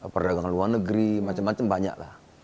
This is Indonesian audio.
perdagangan luar negeri macam macam banyak lah